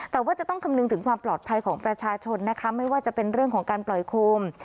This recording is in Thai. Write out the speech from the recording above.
แต่ว่าจะต้องคำนึงถึงความปลอดภัยของประชาชนนะคะไม่ว่าจะเป็นเรื่องของการปล่อยโคม